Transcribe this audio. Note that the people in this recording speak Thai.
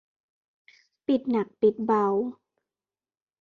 ปิดหนักปิดเบา